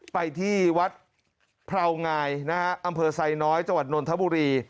ไปที่วัดพราวงายอำเภอไซน้อยจนธบุรี